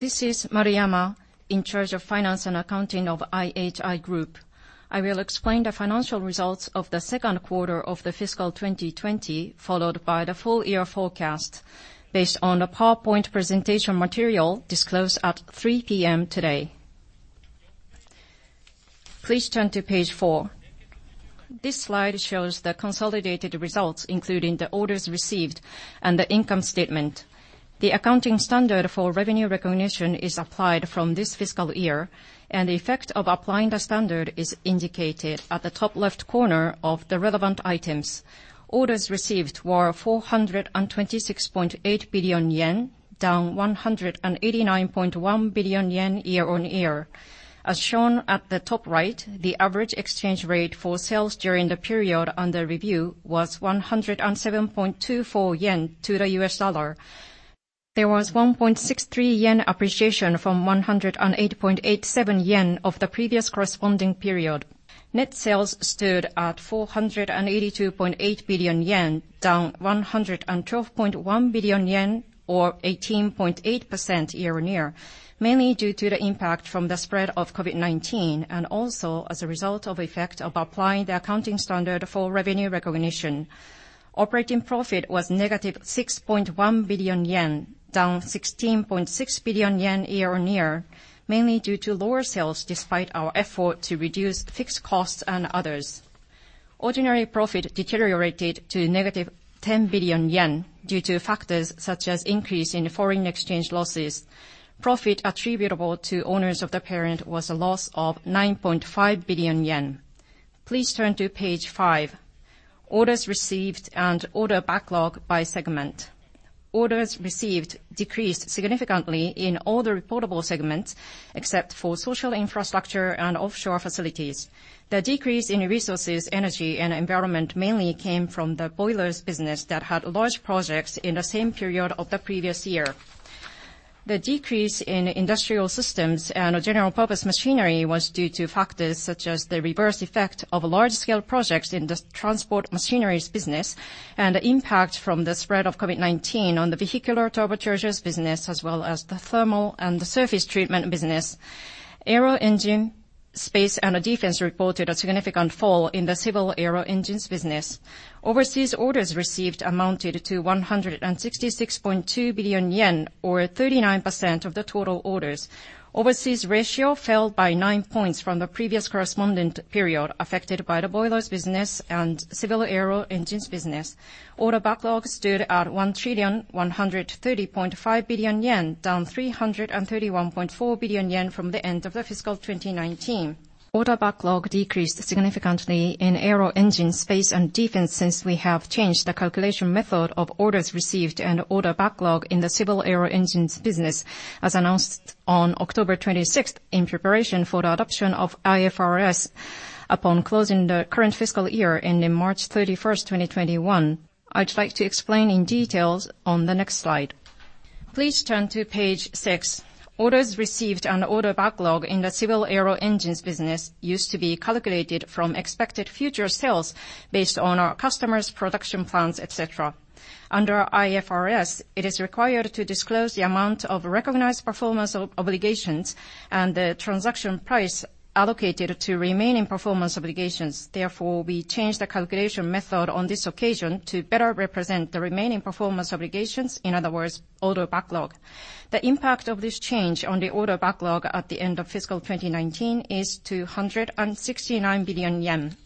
This is Maruyama, in charge of Finance and Accounting of IHI Group. I will explain the Financial Results of the Q2 of the Fiscal 2020, followed by the full-year forecast, based on a PowerPoint presentation material disclosed at 3:00 P.M. today. Please turn to page four. This slide shows the consolidated results, including the orders received and the income statement. The Accounting Standard for Revenue Recognition is applied from this FY, and the effect of applying the standard is indicated at the top left corner of the relevant items. Orders received were 426.8 billion yen, down 189.1 billion yen year-on-year. As shown at the top right, the average exchange rate for sales during the period on the review was 107.24 yen to the U.S. dollar. There was 1.63 yen appreciation from 108.87 yen of the previous corresponding period. Net sales stood at 482.8 billion yen, down 112.1 billion yen or 18.8% year-on-year, mainly due to the impact from the spread of COVID-19 and also as a result of effect of applying the Accounting Standard for Revenue Recognition. Operating profit was negative 6.1 billion yen, down 16.6 billion yen year-on-year, mainly due to lower sales despite our effort to reduce fixed costs and others. Ordinary profit deteriorated to negative 10 billion yen due to factors such as increase in foreign exchange losses. Profit attributable to owners of the parent was a loss of 9.5 billion yen. Please turn to page five, orders received and order backlog by segment. Orders received decreased significantly in all the reportable segments, except for Social Infrastructure and Offshore Facilities. The decrease in Resources, Energy and Environment mainly came from the boilers business that had large projects in the same period of the previous year. The decrease in Industrial Systems and General-purpose Machinery was due to factors such as the reverse effect of large-scale projects in the transport machineries business and the impact from the spread of COVID-19 on the vehicular turbochargers business, as well as the thermal and surface treatment business. Aero Engine, Space and Defense reported a significant fall in the civil aero engines business. Overseas orders received amounted to 166.2 billion yen, or 39% of the total orders. Overseas ratio fell by nine points from the previous correspondent period affected by the boilers business and civil aero engines business. Order backlogs stood at 1,130.5 billion yen, down 331.4 billion yen from the end of the FY 2019. Order backlog decreased significantly in Aero Engine, Space and Defense since we have changed the calculation method of orders received and order backlog in the civil aero engines business, as announced on October 26th in preparation for the adoption of IFRS upon closing the current FY ending March 31st, 2021. I'd like to explain in details on the next slide. Please turn to page six. Orders received and order backlog in the civil aero engines business used to be calculated from expected future sales based on our customers' production plans, et cetera. Under IFRS, it is required to disclose the amount of recognized performance obligations and the transaction price allocated to remaining performance obligations. We changed the calculation method on this occasion to better represent the remaining performance obligations, in other words, order backlog. The impact of this change on the order backlog at the end of FY 2019 is 169 billion yen.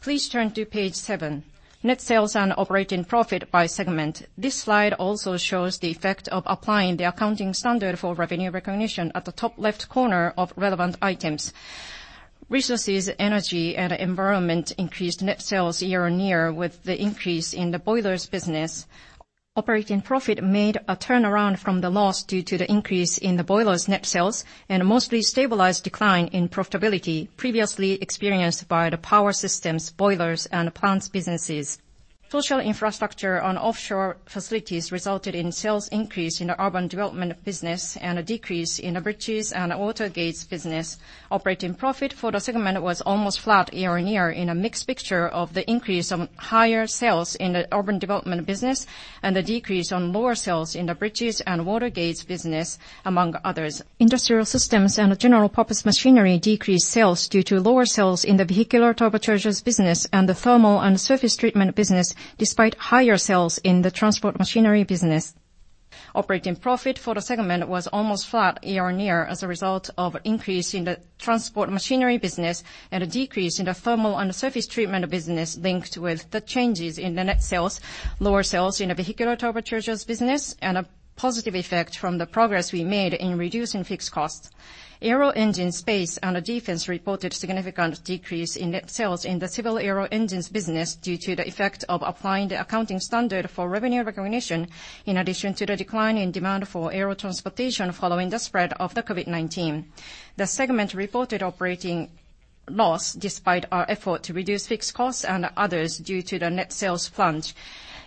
Please turn to page seven, net sales and operating profit by segment. This slide also shows the effect of applying the Accounting Standard for Revenue Recognition at the top left corner of relevant items. Resources, Energy and Environment increased net sales year on year with the increase in the boilers business. Operating profit made a turnaround from the loss due to the increase in the boilers net sales and mostly stabilized decline in profitability previously experienced by the power systems, boilers, and plants businesses. Social Infrastructure and Offshore Facilities resulted in sales increase in the urban development business and a decrease in the bridges and water gates business. Operating profit for the segment was almost flat year-over-year in a mixed picture of the increase on higher sales in the urban development business and the decrease on lower sales in the bridges and water gates business, among others. Industrial Systems and General-purpose Machinery decreased sales due to lower sales in the vehicular turbochargers business and the thermal and surface treatment business, despite higher sales in the transport machinery business. Operating profit for the segment was almost flat year-over-year as a result of increase in the transport machinery business and a decrease in the thermal and surface treatment business linked with the changes in the net sales, lower sales in the vehicular turbochargers business, and a positive effect from the progress we made in reducing fixed costs. Aero Engine, Space, and Defense reported significant decrease in net sales in the civil aero engines business due to the effect of applying the Accounting Standard for Revenue Recognition, in addition to the decline in demand for aero transportation following the spread of the COVID-19. The segment reported operating loss despite our effort to reduce fixed costs and others due to the net sales plunge.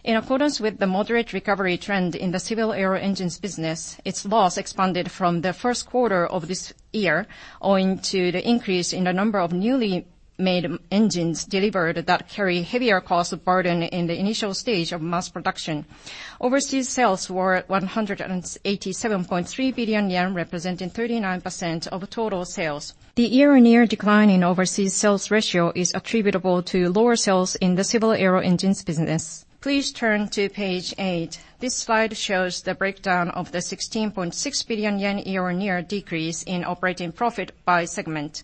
In accordance with the moderate recovery trend in the civil aero engines business, its loss expanded from the Q1 of this year owing to the increase in the number of newly made engines delivered that carry heavier cost burden in the initial stage of mass production. Overseas sales were 187.3 billion yen, representing 39% of total sales. The year-on-year decline in overseas sales ratio is attributable to lower sales in the civil aero engines business. Please turn to page eight. This slide shows the breakdown of the 16.6 billion yen year-on-year decrease in operating profit by segment.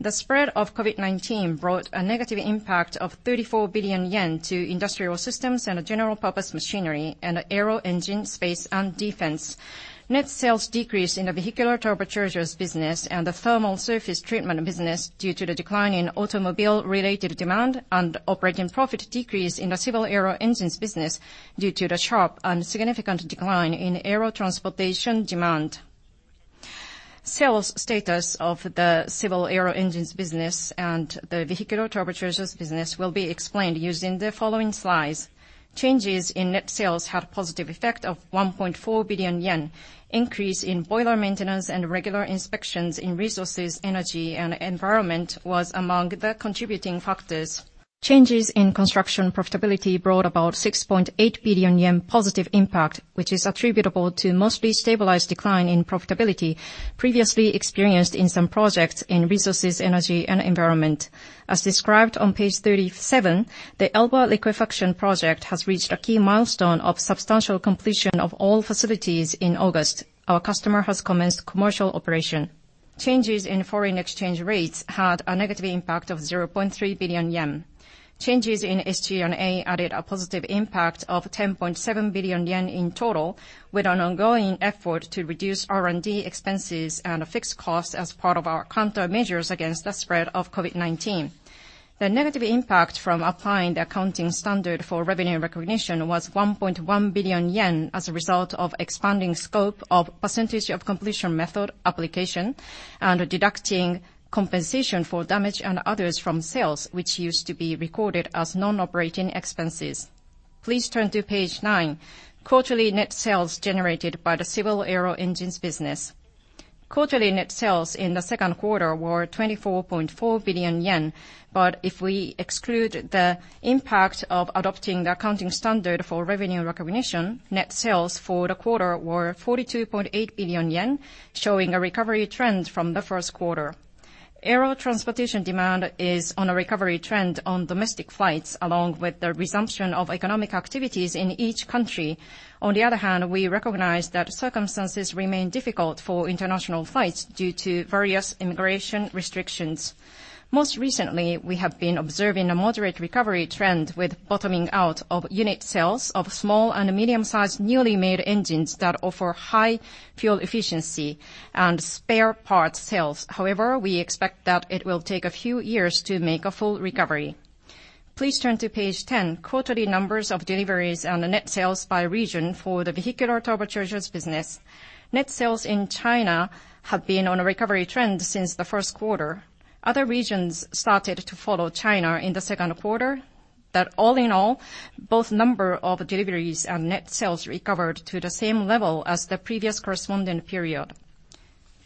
The spread of COVID-19 brought a negative impact of 34 billion yen to Industrial Systems and General-purpose Machinery and Aero Engine, Space and Defense. Net sales decreased in the vehicular turbochargers business and the Thermal Surface Treatment business due to the decline in automobile-related demand and operating profit decrease in the civil aero engines business due to the sharp and significant decline in aero transportation demand. Sales status of the civil aero engines business and the vehicular turbochargers business will be explained using the following slides. Changes in net sales had a positive effect of 1.4 billion yen. Increase in boiler maintenance and regular inspections in Resources, Energy and Environment was among the contributing factors. Changes in construction profitability brought about 6.8 billion yen positive impact, which is attributable to mostly stabilized decline in profitability previously experienced in some projects in Resources, Energy and Environment. As described on page 37, the Elba Liquefaction Project has reached a key milestone of substantial completion of all facilities in August. Our customer has commenced commercial operation. Changes in foreign exchange rates had a negative impact of 0.3 billion yen. Changes in SG&A added a positive impact of 10.7 billion yen in total, with an ongoing effort to reduce R&D expenses and fixed costs as part of our countermeasures against the spread of COVID-19. The negative impact from applying the Accounting Standard for Revenue Recognition was 1.1 billion yen as a result of expanding scope of percentage of completion method application and deducting compensation for damage and others from sales, which used to be recorded as non-operating expenses. Please turn to page nine, quarterly net sales generated by the Civil Aero Engines business. Quarterly net sales in the Q2 were 24.4 billion yen. If we exclude the impact of adopting the Accounting Standard for Revenue Recognition, net sales for the quarter were 42.8 billion yen, showing a recovery trend from the Q1. Air transportation demand is on a recovery trend on domestic flights, along with the resumption of economic activities in each country. On the other hand, we recognize that circumstances remain difficult for international flights due to various immigration restrictions. Most recently, we have been observing a moderate recovery trend with bottoming out of unit sales of small and medium-sized newly made engines that offer high fuel efficiency and spare parts sales. However, we expect that it will take a few years to make a full recovery. Please turn to page 10, quarterly numbers of deliveries and net sales by region for the vehicular turbochargers business. Net sales in China have been on a recovery trend since the Q1. Other regions started to follow China in the Q2, that all in all, both number of deliveries and net sales recovered to the same level as the previous corresponding period.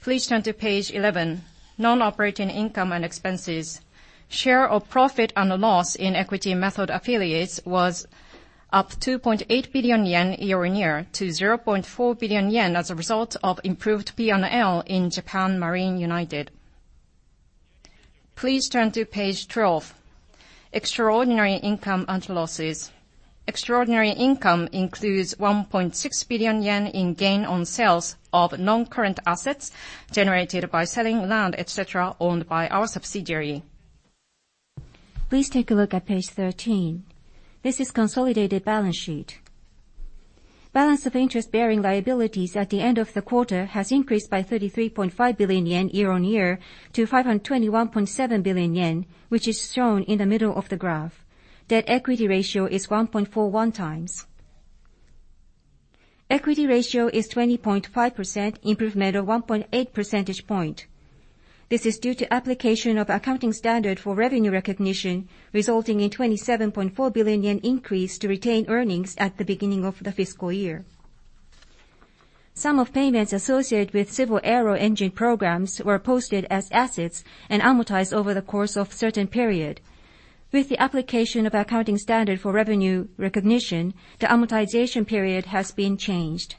Please turn to page 11, non-operating income and expenses. Share of profit and loss in equity method affiliates was up 2.8 billion yen year on year to 0.4 billion yen as a result of improved P&L in Japan Marine United. Please turn to page 12, extraordinary income and losses. Extraordinary income includes 1.6 billion yen in gain on sales of non-current assets generated by selling land, et cetera, owned by our subsidiary. Please take a look at page 13. This is consolidated balance sheet. Balance of interest-bearing liabilities at the end of the quarter has increased by 33.5 billion yen year on year to 521.7 billion yen, which is shown in the middle of the graph. Debt equity ratio is 1.41 times. Equity ratio is 20.5%, improvement of 1.8 percentage point. This is due to application of Accounting Standard for Revenue Recognition, resulting in 27.4 billion yen increase to retained earnings at the beginning of the FY. Some of payments associated with civil aero engines programs were posted as assets and amortized over the course of certain period. With the application of Accounting Standard for Revenue Recognition, the amortization period has been changed.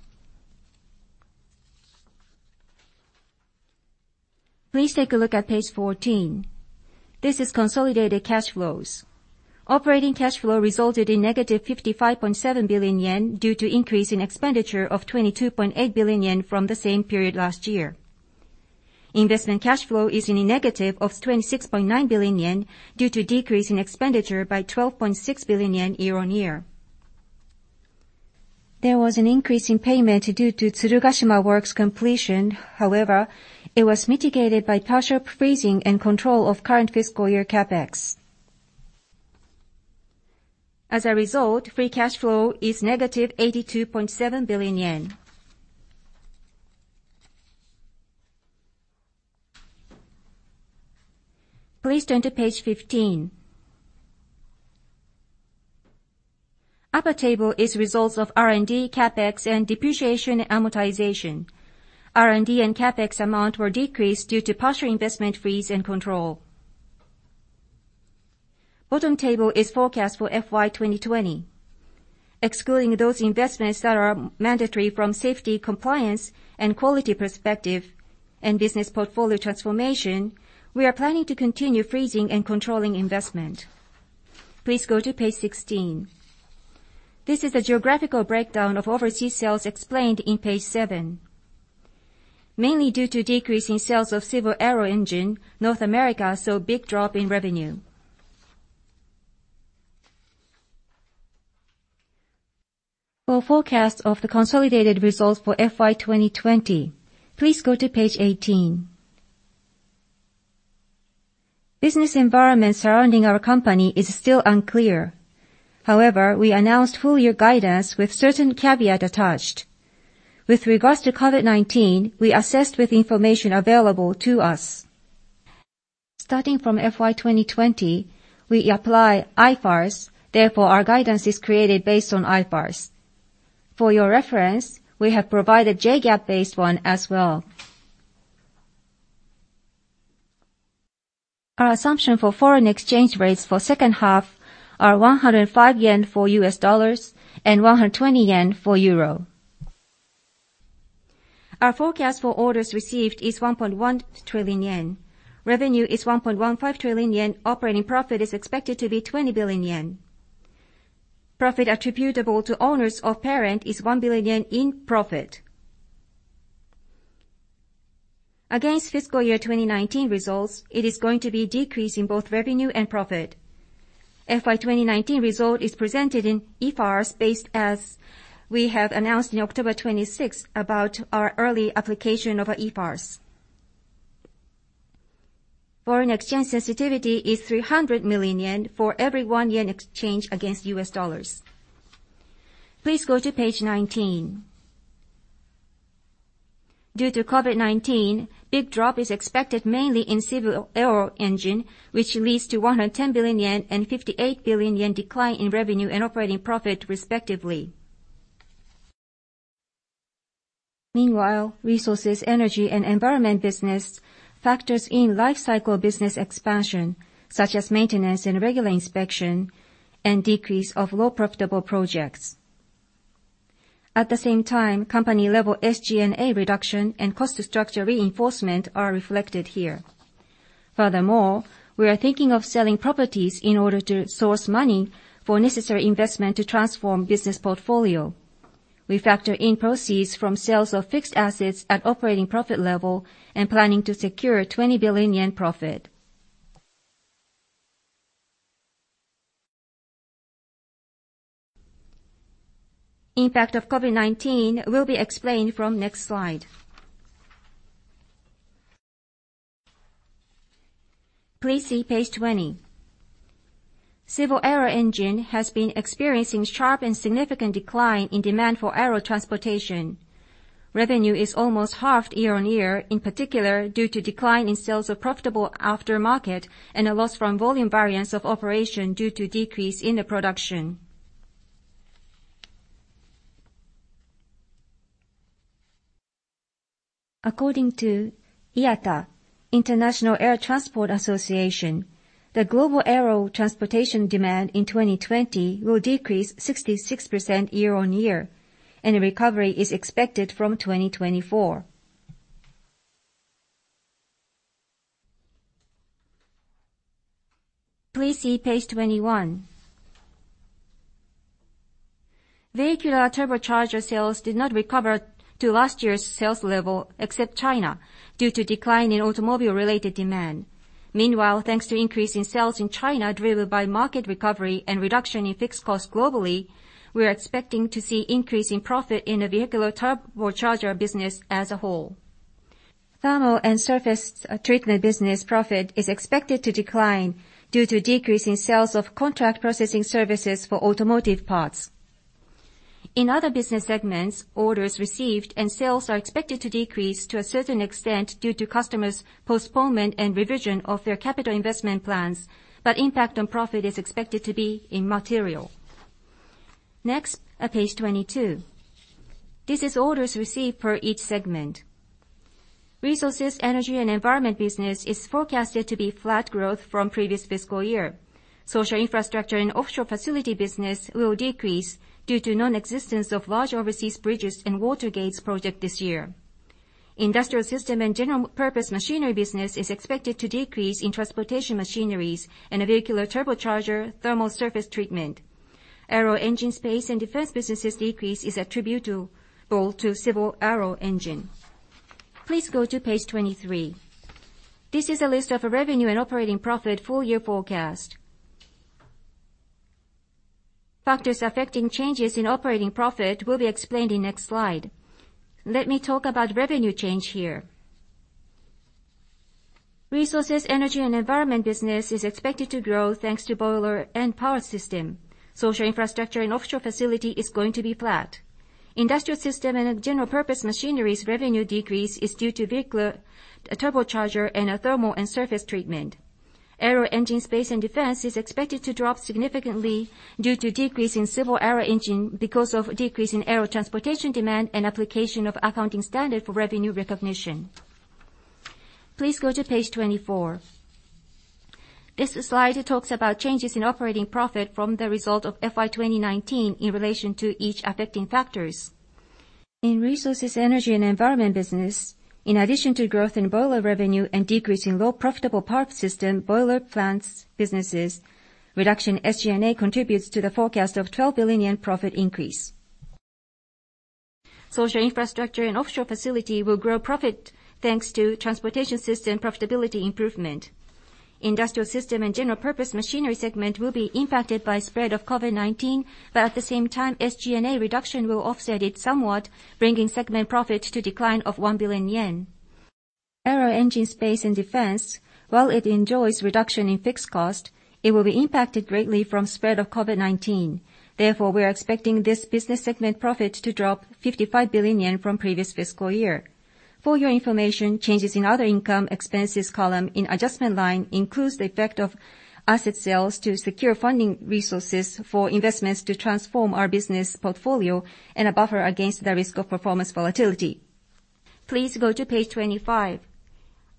Please take a look at page 14. This is consolidated cash flows. Operating cash flow resulted in negative 55.7 billion yen due to increase in expenditure of 22.8 billion yen from the same period last year. Investment cash flow is in a negative of 26.9 billion yen due to decrease in expenditure by 12.6 billion yen year-on-year. There was an increase in payment due to Tsurugashima Works completion. It was mitigated by partial freezing and control of current FY CapEx. As a result, free cash flow is negative 82.7 billion yen. Please turn to page 15. Upper table is results of R&D, CapEx, and depreciation and amortization. R&D and CapEx amount were decreased due to partial investment freeze and control. Bottom table is forecast for FY 2020. Excluding those investments that are mandatory from safety, compliance, and quality perspective and business portfolio transformation, we are planning to continue freezing and controlling investment. Please go to page 16. This is a geographical breakdown of overseas sales explained in page seven. Mainly due to decrease in sales of civil aero engine, North America saw a big drop in revenue. For forecast of the consolidated results for FY 2020, please go to page 18. Business environment surrounding our company is still unclear. We announced full-year guidance with certain caveat attached. With regards to COVID-19, we assessed with information available to us. Starting from FY 2020, we apply IFRS, therefore, our guidance is created based on IFRS. For your reference, we have provided JGAAP-based one as well. Our assumption for foreign exchange rates for second half are 105 yen for USD and JPY 120 for EUR. Our forecast for orders received is 1.1 trillion yen. Revenue is 1.15 trillion yen. Operating profit is expected to be 20 billion yen. Profit attributable to owners of parent is 1 billion yen in profit. Against FY 2019 results, it is going to be a decrease in both revenue and profit. FY 2019 result is presented in IFRS-based, as we have announced in October 26th about our early application of IFRS. Foreign exchange sensitivity is 300 million yen for every 1 yen exchange against USD. Please go to page 19. Due to COVID-19, big drop is expected mainly in civil aero engine, which leads to 110 billion yen and 58 billion yen decline in revenue and operating profit, respectively. Meanwhile, Resources, Energy and Environment business factors in life cycle business expansion, such as maintenance and regular inspection and decrease of low profitable projects. At the same time, company-level SG&A reduction and cost structure reinforcement are reflected here. Furthermore, we are thinking of selling properties in order to source money for necessary investment to transform business portfolio. We factor in proceeds from sales of fixed assets at operating profit level and planning to secure 20 billion yen profit. Impact of COVID-19 will be explained from next slide. Please see page 20. Civil aero engine has been experiencing sharp and significant decline in demand for aero transportation. Revenue is almost half year-on-year, in particular, due to decline in sales of profitable aftermarket and a loss from volume variance of operation due to decrease in the production. According to IATA, International Air Transport Association, the global aero transportation demand in 2020 will decrease 66% year-on-year. Recovery is expected from 2024. Please see page 21. Vehicular turbocharger sales did not recover to last year's sales level, except China, due to decline in automobile-related demand. Meanwhile, thanks to increase in sales in China, driven by market recovery and reduction in fixed costs globally, we are expecting to see increase in profit in the vehicular turbocharger business as a whole. Thermal and surface treatment business profit is expected to decline due to a decrease in sales of contract processing services for automotive parts. In other business segments, orders received and sales are expected to decrease to a certain extent due to customers' postponement and revision of their capital investment plans, but impact on profit is expected to be immaterial. Next, at page 22. This is orders received per each segment. Resources, Energy and Environment business is forecasted to be flat growth from previous FY. Social Infrastructure and Offshore Facilities business will decrease due to non-existence of large overseas bridges and water gates project this year. Industrial Systems and General-purpose Machinery business is expected to decrease in transport machineries and vehicular turbocharger Thermal Surface Treatment. Aero Engine, Space and Defense businesses decrease is attributable to civil aero engine. Please go to page 23. This is a list of revenue and operating profit full-year forecast. Factors affecting changes in operating profit will be explained in next slide. Let me talk about revenue change here. Resources, Energy and Environment business is expected to grow thanks to boiler and power systems. Social Infrastructure and Offshore Facilities is going to be flat. Industrial Systems and General-purpose Machinery's revenue decrease is due to vehicular turbochargers and thermal and surface treatment. Aero Engine, Space and Defense is expected to drop significantly due to decrease in civil aero engines because of decrease in aero transportation demand and application of Accounting Standard for Revenue Recognition. Please go to page 24. This slide talks about changes in operating profit from the result of FY 2019 in relation to each affecting factors. In Resources, Energy and Environment business, in addition to growth in boiler revenue and decrease in low profitable power system, boiler plants businesses, reduction in SG&A contributes to the forecast of 12 billion yen profit increase. Social Infrastructure and Offshore Facilities will grow profit thanks to transportation system profitability improvement. Industrial Systems and General-purpose Machinery segment will be impacted by spread of COVID-19, but at the same time, SG&A reduction will offset it somewhat, bringing segment profit to decline of 1 billion yen. Aero Engine, Space and Defense, while it enjoys reduction in fixed cost, it will be impacted greatly from spread of COVID-19. We are expecting this business segment profit to drop 55 billion yen from previous FY. For your information, changes in other income expenses column in adjustment line includes the effect of asset sales to secure funding resources for investments to transform our business portfolio and a buffer against the risk of performance volatility. Please go to page 25.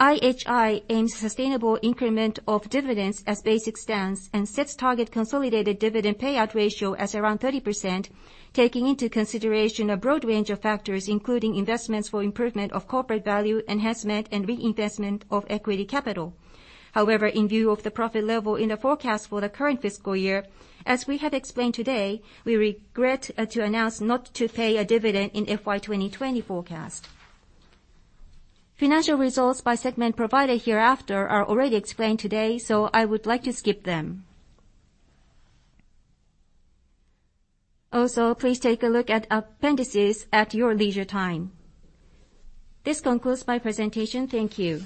IHI aims sustainable increment of dividends as basic stance and sets target consolidated dividend payout ratio as around 30%, taking into consideration a broad range of factors, including investments for improvement of corporate value enhancement and reinvestment of equity capital. However, in view of the profit level in the forecast for the current FY, as we have explained today, we regret to announce not to pay a dividend in FY 2020 forecast. Financial results by segment provided hereafter are already explained today, so I would like to skip them. Also, please take a look at appendices at your leisure time. This concludes my presentation. Thank you.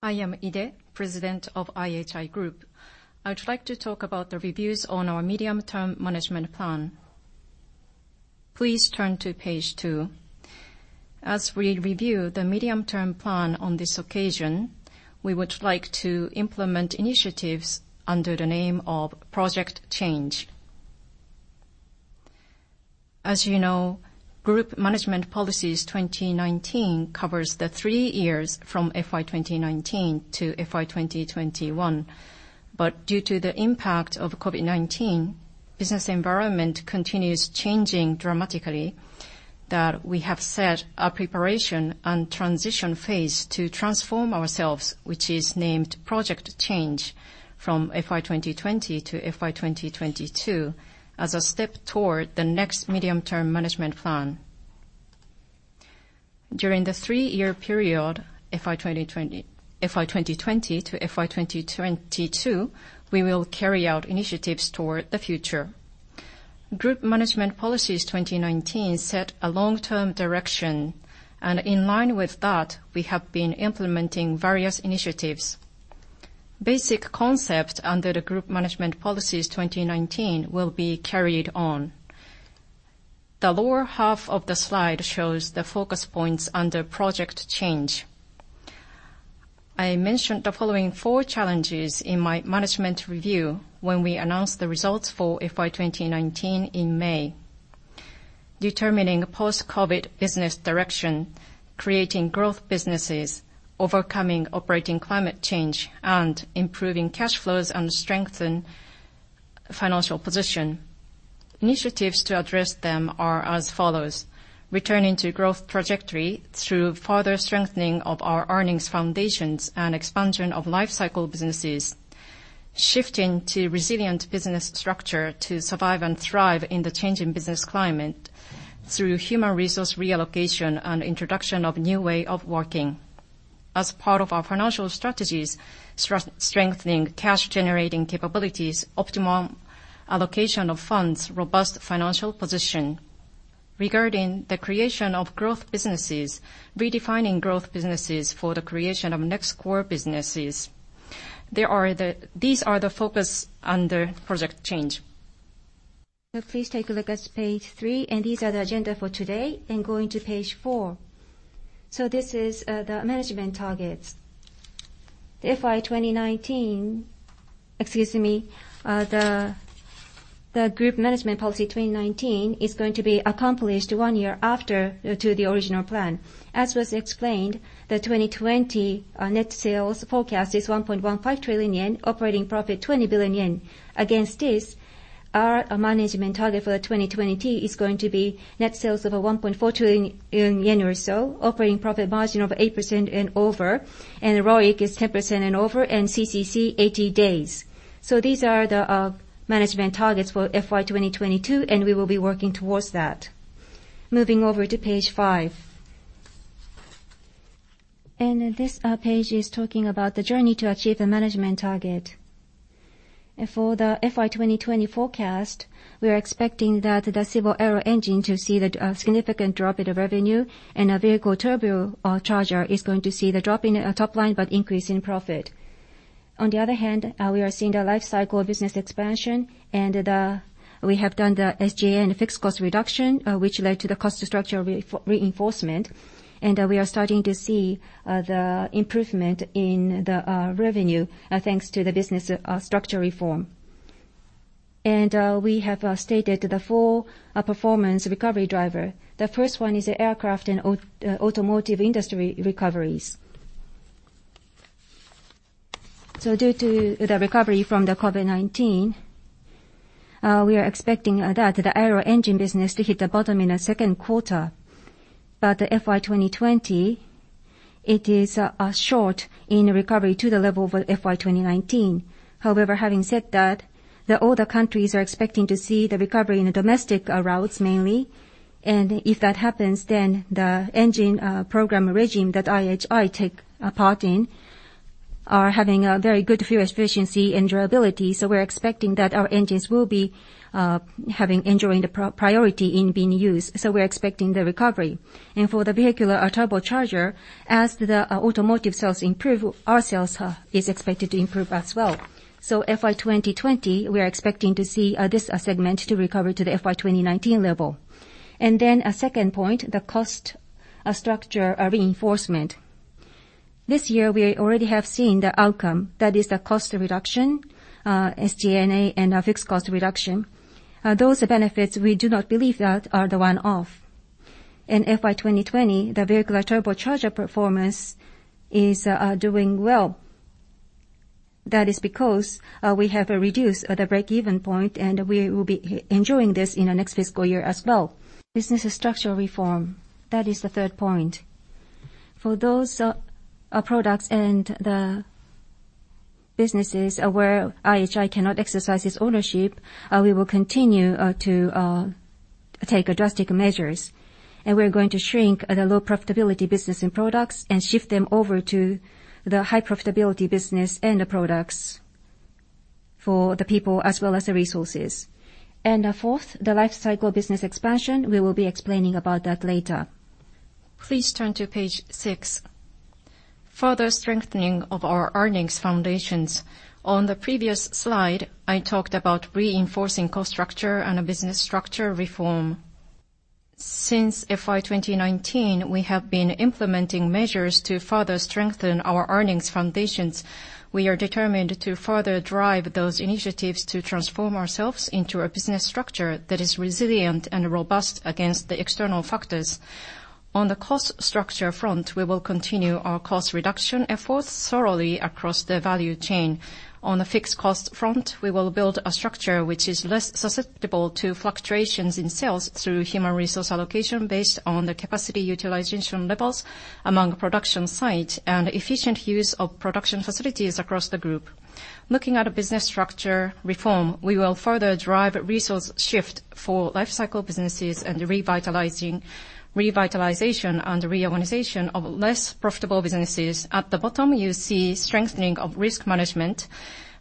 I am Ide, President of IHI Group. I would like to talk about the reviews on our medium-term management plan. Please turn to page two. As we review the medium-term plan on this occasion, we would like to implement initiatives under the name of Project Change. As you know, Group Management Policies 2019 covers the three years from FY 2019 to FY 2021. Due to the impact of COVID-19, business environment continues changing dramatically, that we have set a preparation and transition phase to transform ourselves, which is named Project Change from FY 2020 to FY 2022 as a step toward the next medium-term management plan. During the three-year period, FY 2020 to FY 2022, we will carry out initiatives toward the future. Group Management Policies 2019 set a long-term direction, and in line with that, we have been implementing various initiatives. Basic concept under the Group Management Policies 2019 will be carried on. The lower half of the slide shows the focus points under Project Change. I mentioned the following four challenges in my management review when we announced the results for FY 2019 in May. Determining post-COVID-19 business direction, creating growth businesses, overcoming operating climate change, and improving cash flows and strengthen financial position. Initiatives to address them are as follows: Returning to growth trajectory through further strengthening of our earnings foundations and expansion of life cycle businesses. Shifting to resilient business structure to survive and thrive in the changing business climate through human resource reallocation and introduction of new way of working. As part of our financial strategies, strengthening cash generating capabilities, optimum allocation of funds, robust financial position. Regarding the creation of growth businesses, redefining growth businesses for the creation of next core businesses. These are the focus under Project Change. Please take a look at page three. These are the agenda for today. Going to page four. This is the management targets. The FY 2019, excuse me, the Group Management Policy 2019 is going to be accomplished one year after to the original plan. As was explained, the 2020 net sales forecast is 1.15 trillion yen, operating profit 20 billion yen. Against this, our management target for 2020 is going to be net sales over 1.4 trillion yen or so, operating profit margin of 8% and over, and ROIC is 10% and over, and CCC 80 days. These are the management targets for FY 2022, and we will be working towards that. Moving over to page five. This page is talking about the journey to achieve a management target. For the FY 2020 forecast, we are expecting that the Civil Aero Engine to see the significant drop in revenue, our vehicular turbocharger is going to see the drop in top line but increase in profit. On the other hand, we are seeing the life cycle of business expansion, we have done the SG&A and fixed cost reduction, which led to the cost structure reinforcement. We are starting to see the improvement in the revenue thanks to the business structure reform. We have stated the four performance recovery driver. The first one is the aircraft and automotive industry recoveries. Due to the recovery from the COVID-19, we are expecting that the aero engine business to hit the bottom in the Q2. The FY 2020, it is short in recovery to the level of FY 2019. However, having said that, all the countries are expecting to see the recovery in the domestic routes mainly. If that happens, then the engine program regime that IHI take a part in are having a very good fuel efficiency and durability. We are expecting that our engines will be enjoying the priority in being used. We are expecting the recovery. For the vehicular turbocharger, as the automotive sales improve, our sales is expected to improve as well. FY 2020, we are expecting to see this segment to recover to the FY 2019 level. A second point, the cost structure reinforcement. This year, we already have seen the outcome. The cost reduction, SG&A, and our fixed cost reduction. Those benefits, we do not believe that are the one-off. In FY 2020, the vehicular turbocharger performance is doing well. That is because we have reduced the break-even point, and we will be enjoying this in the next FY as well. Business structure reform, that is the third point. For those products and the businesses where IHI cannot exercise its ownership, we will continue to take drastic measures. We're going to shrink the low profitability business and products and shift them over to the high profitability business and the products for the people as well as the resources. Fourth, the life cycle business expansion, we will be explaining about that later. Please turn to page six, further strengthening of our earnings foundations. On the previous slide, I talked about reinforcing cost structure and a business structure reform. Since FY 2019, we have been implementing measures to further strengthen our earnings foundations. We are determined to further drive those initiatives to transform ourselves into a business structure that is resilient and robust against the external factors. On the cost structure front, we will continue our cost reduction efforts thoroughly across the value chain. On the fixed cost front, we will build a structure which is less susceptible to fluctuations in sales through human resource allocation based on the capacity utilization levels among production site and efficient use of production facilities across the group. Looking at a business structure reform, we will further drive resource shift for life cycle businesses and revitalization and reorganization of less profitable businesses. At the bottom, you see strengthening of risk management.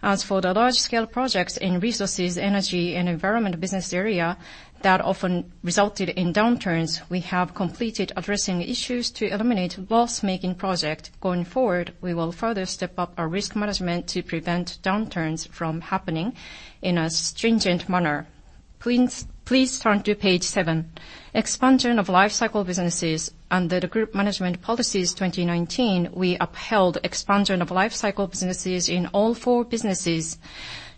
As for the large scale projects in Resources, Energy and Environment business area that often resulted in downturns, we have completed addressing issues to eliminate loss-making project. Going forward, we will further step up our risk management to prevent downturns from happening in a stringent manner. Please turn to page seven, expansion of life cycle businesses. Under the Group Management Policies 2019, we upheld expansion of life cycle businesses in all four businesses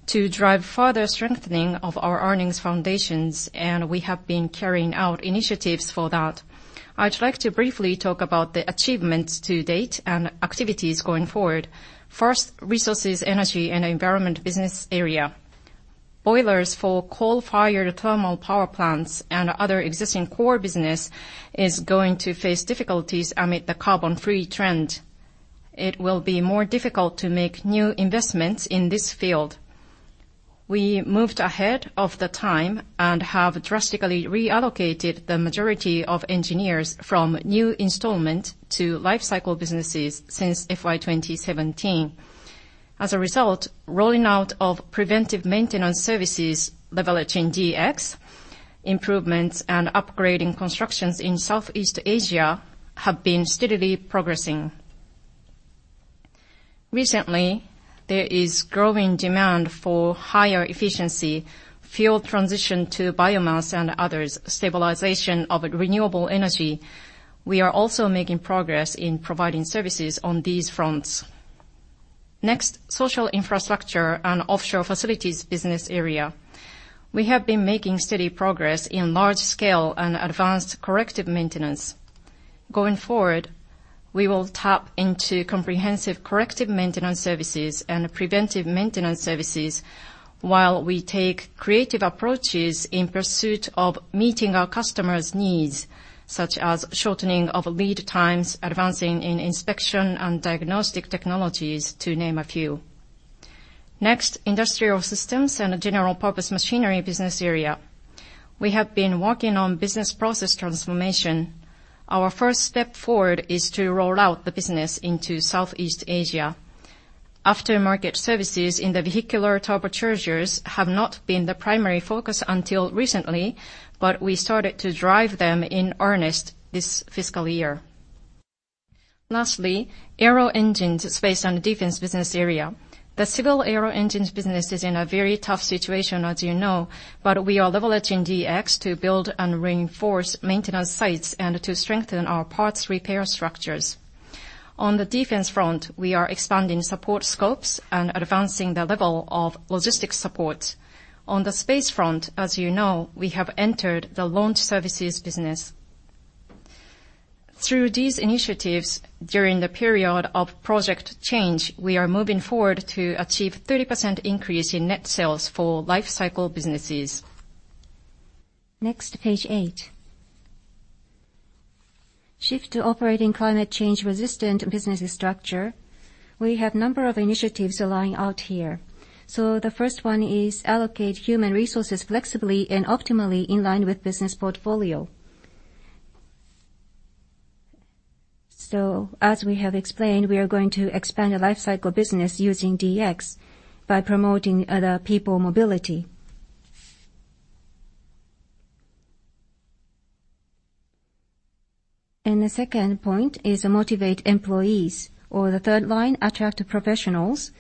to drive further strengthening of our earnings foundations, and we have been carrying out initiatives for that. I'd like to briefly talk about the achievements to date and activities going forward. First, Resources, Energy and Environment. Boilers for coal-fired thermal power plants and other existing core business is going to face difficulties amid the carbon-free trend. It will be more difficult to make new investments in this field. We moved ahead of the time and have drastically reallocated the majority of engineers from new installment to life cycle businesses since FY 2017. As a result, rolling out of preventive maintenance services, developing DX, improvements and upgrading constructions in Southeast Asia have been steadily progressing. Recently, there is growing demand for higher efficiency, fuel transition to biomass and others, stabilization of renewable energy. We are also making progress in providing services on these fronts. Next, Social Infrastructure and Offshore Facilities business area. We have been making steady progress in large scale and advanced corrective maintenance. Going forward, we will tap into comprehensive corrective maintenance services and preventive maintenance services while we take creative approaches in pursuit of meeting our customers' needs, such as shortening of lead times, advancing in inspection and diagnostic technologies, to name a few. Next, Industrial Systems and General-purpose Machinery business area. We have been working on business process transformation. Our first step forward is to roll out the business into Southeast Asia. Aftermarket services in the vehicular turbochargers have not been the primary focus until recently, but we started to drive them in earnest this FY. Aero Engine, Space and Defense business area. The civil aero engines business is in a very tough situation, as you know. We are leveraging DX to build and reinforce maintenance sites and to strengthen our parts repair structures. On the defense front, we are expanding support scopes and advancing the level of logistics support. On the space front, as you know, we have entered the launch services business. Through these initiatives during the period of Project Change, we are moving forward to achieve 30% increase in net sales for life cycle businesses. Page eight. Shift to operating climate change resistant businesses structure. We have number of initiatives aligned out here. The first one is allocate human resources flexibly and optimally in line with business portfolio. As we have explained, we are going to expand the life cycle business using DX by promoting other people mobility. The second point is motivate employees, or the third line, attract professionals.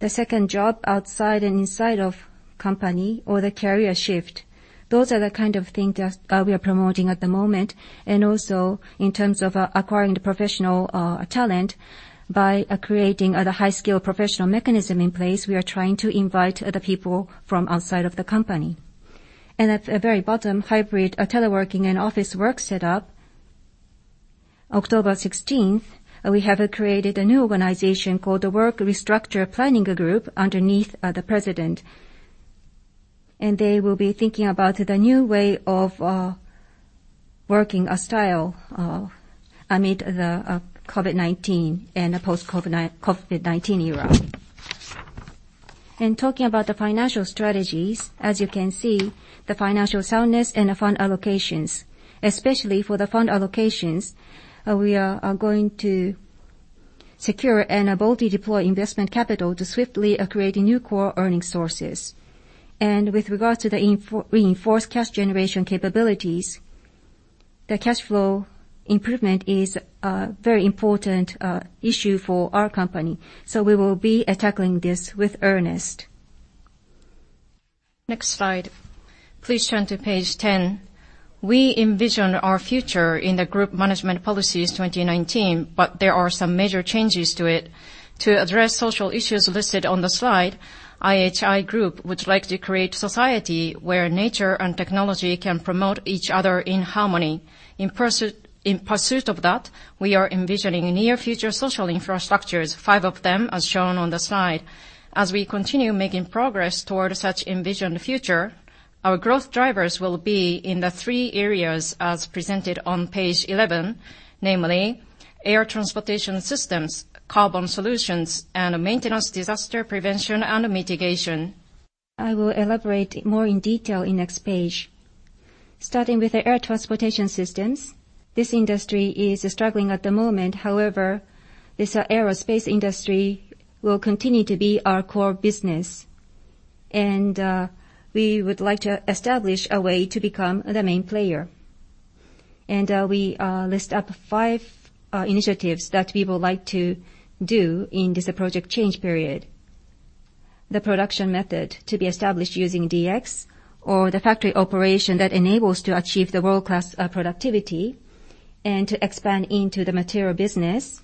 The second job outside and inside of company or the career shift. Those are the kind of things that we are promoting at the moment, and also in terms of acquiring the professional talent by creating the high-skill professional mechanism in place. We are trying to invite other people from outside of the company. At the very bottom, hybrid, teleworking, and office work setup. October 16th, we have created a new organization called the Work Restructure Planning Group underneath the president. They will be thinking about the new way of working a style amid the COVID-19 and post-COVID-19 era. Talking about the financial strategies, as you can see, the financial soundness and the fund allocations. Especially for the fund allocations, we are going to secure and boldly deploy investment capital to swiftly create new core earning sources. With regards to the reinforced cash generation capabilities, the cash flow improvement is a very important issue for our company. We will be tackling this with earnest. Next slide. Please turn to page 10. We envision our future in the Group Management Policies 2019, but there are some major changes to it. To address social issues listed on the slide, IHI Group would like to create society where nature and technology can promote each other in harmony. In pursuit of that, we are envisioning near future social infrastructures, five of them, as shown on the slide. As we continue making progress toward such envisioned future, our growth drivers will be in the three areas as presented on page 11, namely air transportation systems, carbon solutions, and maintenance disaster prevention and mitigation. I will elaborate more in detail in next page. Starting with the air transportation systems, this industry is struggling at the moment. This aerospace industry will continue to be our core business. We would like to establish a way to become the main player. We list up five initiatives that we would like to do in this Project Change period. The production method to be established using DX, or the factory operation that enables to achieve the world-class productivity, and to expand into the material business.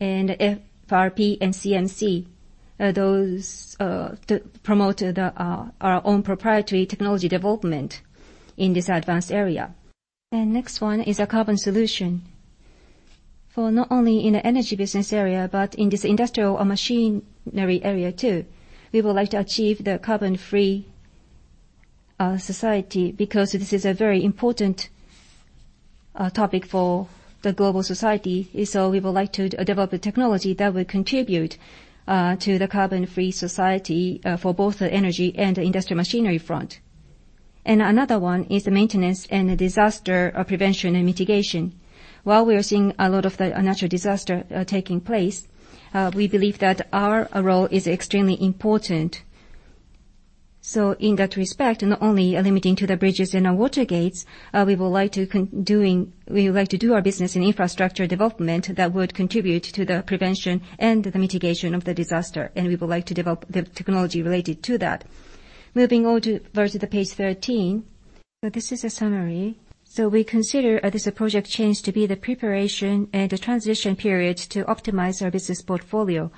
FRP and CMC, those to promote our own proprietary technology development in this advanced area. Next one is carbon solutions. For not only in the energy business area, but in this industrial machinery area too, we would like to achieve the carbon-free society, because this is a very important topic for the global society. We would like to develop a technology that will contribute to the carbon-free society for both the energy and the industrial machinery front. Another one is the maintenance disaster prevention and mitigation. While we are seeing a lot of the natural disaster taking place, we believe that our role is extremely important. In that respect, not only limiting to the bridges and water gates, we would like to do our business in infrastructure development that would contribute to the prevention and the mitigation of the disaster, and we would like to develop the technology related to that. Moving over to page 13. This is a summary. We consider this Project Change to be the preparation and the transition period to optimize our business portfolio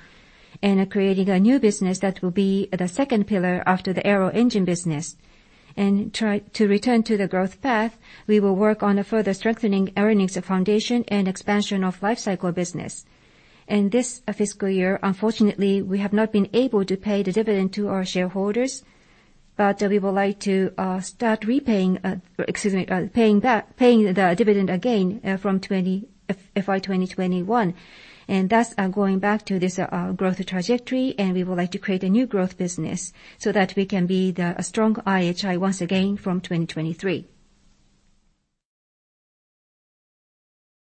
and creating a new business that will be the second pillar after the aero engine business. To return to the growth path, we will work on further strengthening earnings foundation and expansion of life cycle business. In this FY, unfortunately, we have not been able to pay the dividend to our shareholders, but we would like to start paying the dividend again from FY 2021. Thus, going back to this growth trajectory, and we would like to create a new growth business so that we can be the strong IHI once again from 2023.